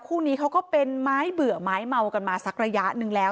คู่นี้เขาก็เป็นไม้เบื่อไม้เมากันมาสักระยะหนึ่งแล้ว